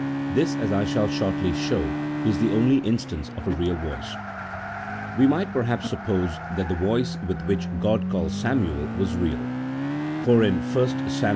This, as I shall shortly show, is the only instance of a real voice. "We might, perhaps, suppose that the voice with which God called Samuel was real, for in 1 Sam.